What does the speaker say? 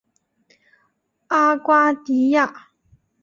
阿瓜迪亚。